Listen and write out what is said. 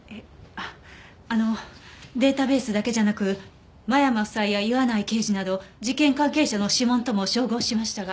あっあのデータベースだけじゃなく間山夫妻や岩内刑事など事件関係者の指紋とも照合しましたが。